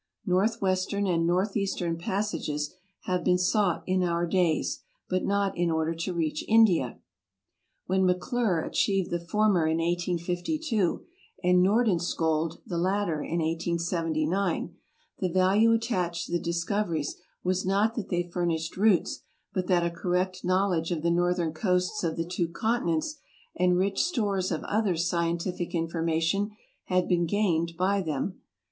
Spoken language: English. Northwest ern and northeastern passages have been sought in our days, but not in order to reach India. When Maclure achieved the former in 1852 and Nordenskjold the latter in 1879, tne value attached to the discoveries was not that they furnished routes, but that a correct knowledge of the northern coasts of the two continents and rich stores of other scientific in formation had been gained by them.